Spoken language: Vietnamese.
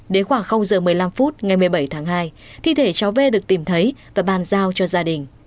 đến khoảng giờ một mươi năm phút ngày một mươi bảy tháng hai thi thể cháu v được tìm thấy và bàn giao cho gia đình